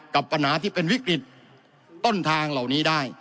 กับปัญหาที่เป็นวิกฤตต้นทางเหล่านี้ได้